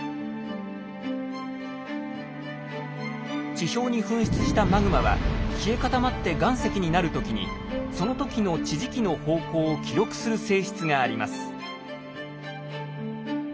地表に噴出したマグマは冷え固まって岩石になる時にその時の地磁気の方向を記録する性質があります。